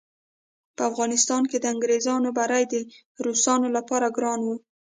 په افغانستان کې د انګریزانو بری د روسانو لپاره ګران وو.